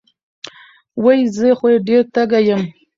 وې زۀ خو ډېر تږے يم